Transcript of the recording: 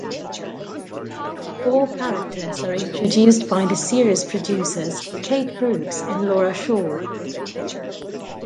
All characters are introduced by the series producers Kate Brooks and Laura Shaw.